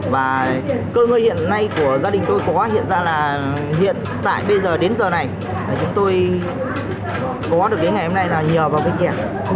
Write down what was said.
và cơ ngơ hiện nay của gia đình tôi có hiện ra là hiện tại bây giờ đến giờ này chúng tôi có được đến ngày hôm nay là nhờ vào cây chè thu nhập từ cây chè